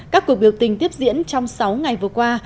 các cuộc biểu tình tiếp diễn trong sáu ngày vừa qua